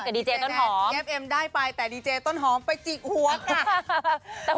แต่ดีเจต้นหอมเอ็บเอ็มได้ไปแต่ดีเจต้นหอมไปจิกหัวค่ะ